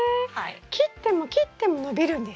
切っても切っても伸びるんですか？